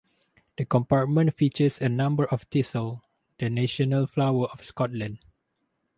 The compartment features a number of thistles, the national flower of Scotland.